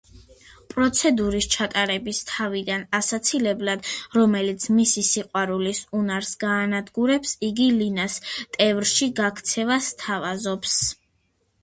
პროცედურის ჩატარების თავიდან ასაცილებლად, რომელიც მისი სიყვარულის უნარს გაანადგურებს, იგი ლინას ტევრში გაქცევას სთავაზობს.